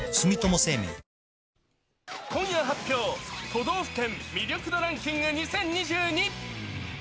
都道府県魅力度ランキング２０２２。